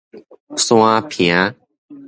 山坪